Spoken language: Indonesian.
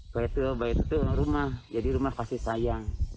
baik itu rumah jadi rumah kasih sayang